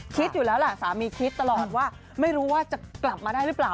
คิดอยู่แล้วแหละสามีคิดตลอดว่าไม่รู้ว่าจะกลับมาได้หรือเปล่า